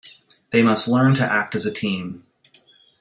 They must learn to act as a team.